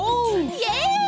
イエイ！